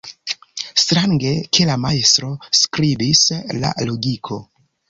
Strange, ke la majstro skribis la logiko.